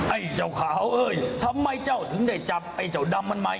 ไอ้เจ้าขาวเอ้ยทำไมเจ้าถึงได้จับไอ้เจ้าดำมันใหม่